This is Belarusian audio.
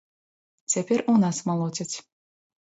Цяпер у нас малоцяць.